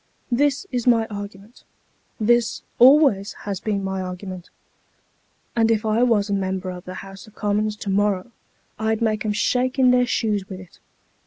This is my argument this always has been my argument and if I was a Member of the House of Commons to morrow, I'd make 'em shake in their shoes with it."